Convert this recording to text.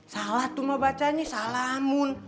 salah tuh mah bacanya salamun